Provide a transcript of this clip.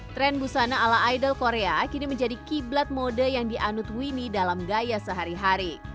tren busana ala idol korea kini menjadi kiblat mode yang dianut winnie dalam gaya sehari hari